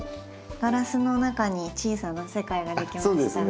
ガラスの中に小さな世界が出来ました。